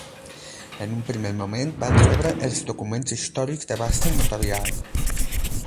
En un primer moment, van rebre els documents històrics de base notarial.